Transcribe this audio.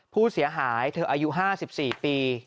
ผู้เสียหายเธออายุ๕๔ปี